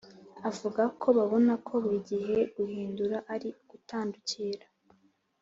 avuga ko babona ko “buri gihe guhindura ari ugutandukira